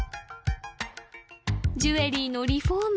ジュエリーのリフォーム